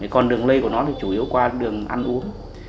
còn đường lây của nó thì chủ yếu qua đường ăn uống